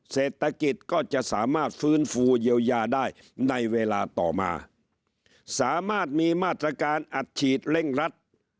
เศรษฐกิจก็จะสามารถฟื้นฟูเยียวยาได้ในเวลาต่อมาสามารถมีมาตรการอัดฉีดเร่งรัด